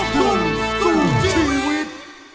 สู้ชีวิต